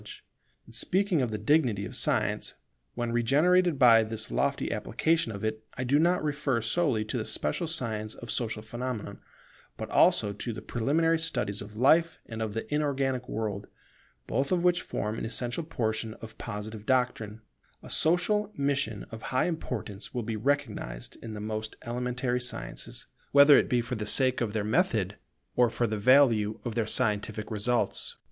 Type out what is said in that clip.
[Inorganic and organic sciences elevated by their connexion with the supreme science of Humanity] In speaking of the dignity of Science when regenerated by this lofty application of it, I do not refer solely to the special science of Social phenomena, but also to the preliminary studies of Life and of the Inorganic World, both of which form an essential portion of Positive doctrine. A social mission of high importance will be recognized in the most elementary sciences, whether it be for the sake of their method or for the value of their scientific results.